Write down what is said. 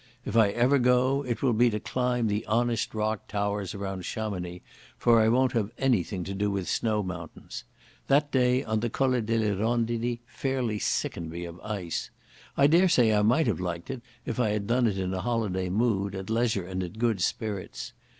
If I ever go it will be to climb the honest rock towers around Chamonix, for I won't have anything to do with snow mountains. That day on the Colle delle Rondini fairly sickened me of ice. I daresay I might have liked it if I had done it in a holiday mood, at leisure and in good spirits.